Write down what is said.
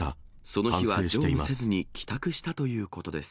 その日は乗務せずに帰宅したということです。